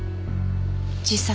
自殺。